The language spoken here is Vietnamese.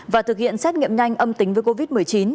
và thực hiện xét nghiệm nhanh âm tính với covid một mươi chín